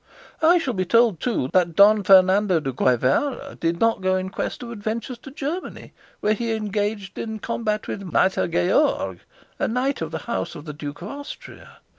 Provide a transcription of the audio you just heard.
I shall be told, too, that Don Fernando de Guevara did not go in quest of adventures to Germany, where he engaged in combat with Micer George, a knight of the house of the Duke of Austria.